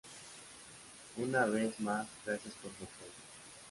Una vez más ¡gracias por su apoyo!